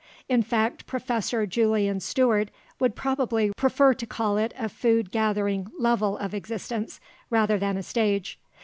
In fact, Professor Julian Steward would probably prefer to call it a food gathering level of existence, rather than a stage.